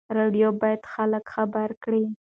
راډیو باید خلک خبر کړي.